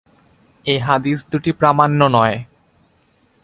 এ হাদীস দুটি প্রামাণ্য নয়।